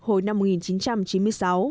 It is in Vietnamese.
hồi năm một nghìn chín trăm chín mươi sáu